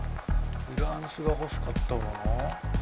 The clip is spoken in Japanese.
フランスが欲しかったもの？